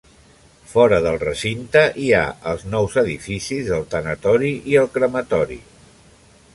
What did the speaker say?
Fora del recinte hi ha els nous edificis del tanatori i el crematori.